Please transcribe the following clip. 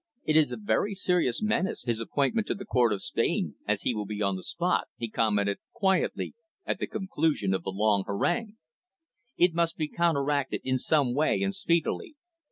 "It is a very serious menace, his appointment to the Court of Spain, as he will be on the spot," he commented quietly at the conclusion of the long harangue. "It must be counteracted in some way and speedily.